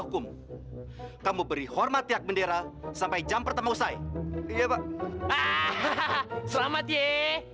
hukum kamu beri hormat pihak bendera sampai jam bertemu saya iya pak hahaha selamat ye